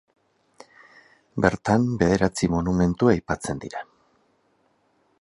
Bertan bederatzi monumentu aipatzen dira.